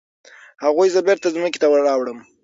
هغوی زه بیرته ځمکې ته راوړم.